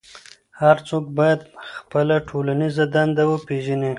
هر څوک بايد خپله ټولنيزه دنده وپېژني.